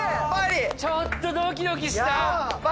ちょっとドキドキした。